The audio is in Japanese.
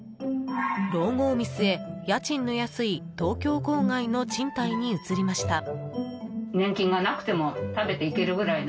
老後を見据え、家賃の安い東京郊外の賃貸に移りました。